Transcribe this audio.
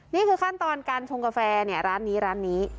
นี่คือขั้นตอนการชงกาแฟร้านนี้ร้านนี้